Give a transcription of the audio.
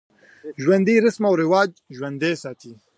ژوندي رسم و رواج ژوندی ساتي